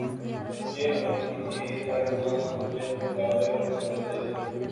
سہ ملکی سیریزپاکستان نے زمبابوے کو شکست دیدی